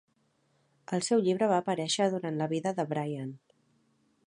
El seu llibre va aparèixer durant la vida de Bryant.